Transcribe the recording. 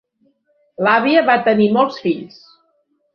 L'àvia va tenir molts fills.